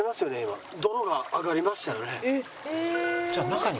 じゃあ中に？